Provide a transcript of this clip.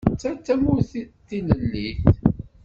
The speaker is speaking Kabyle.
Ta d tamurt tilellit.